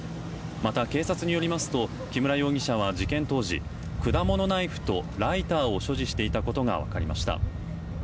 また、警察によりますと木村容疑者は事件当時果物ナイフとライターを所持していたことがわかりました。